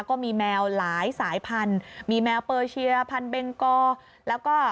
ก็มีแมวหลายสายพันธุ์มีแมวเปอร์เชียพันเบงกอแล้วก็